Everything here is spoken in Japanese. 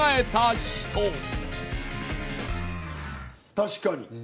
確かに。